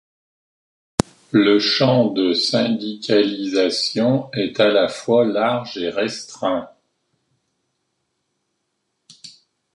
Le champ de syndicalisation est à la fois large et restreint.